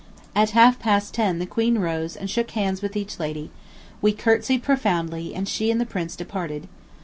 At half past ten the Queen rose and shook hands with each lady; we curtsied profoundly, and she and the Prince departed.